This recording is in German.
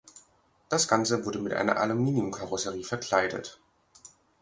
Das Ganze wurde mit einer Aluminiumkarosserie verkleidet.